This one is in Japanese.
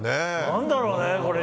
何だろうね。